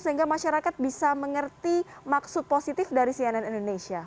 sehingga masyarakat bisa mengerti maksud positif dari cnn indonesia